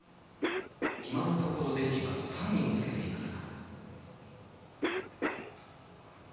今のところデーリーは３位につけていますが。